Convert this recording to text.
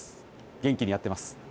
元気にやってます。